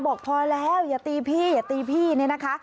บอกพอแล้วอย่าตีพี่อย่าตีพี่เนี่ยนะคะ